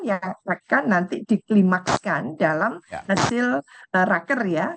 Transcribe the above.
yang akan nanti diklimakskan dalam hasil raker ya